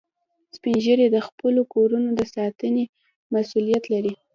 سپین ږیری د خپلو کورو د ساتنې مسؤولیت لري